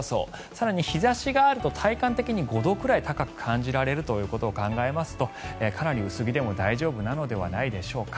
更に日差しがあると体感的に５度くらい高く感じられることを考えますと、かなり薄着でも大丈夫なのではないでしょうか。